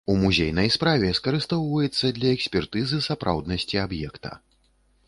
У музейнай справе скарыстоўваецца для экспертызы сапраўднасці аб'екта.